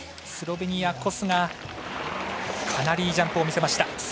スロベニア、コスがかなりいいジャンプを見せました。